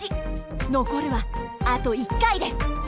残るはあと１回です！